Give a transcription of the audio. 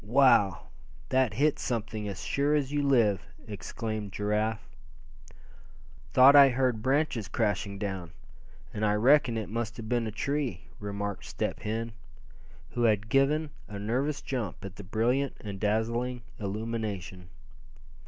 "Wow! that hit something, as sure as you live!" exclaimed Giraffe. "Thought I heard branches crashing down, and I reckon it must have been a tree," remarked Step Hen, who had given a nervous jump at the brilliant and dazzling illumination.